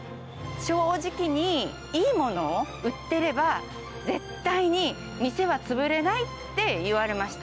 正直にいいものを売っていれば、絶対に店は潰れないって言われました。